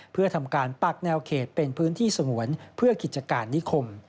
เพื่อทำการปักแนวเขตเป็นพื้นที่สงวนเพื่อกิจการนิคม